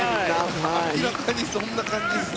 明らかにそんな感じですね。